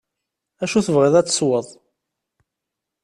Acu tebɣiḍ ad tesweḍ.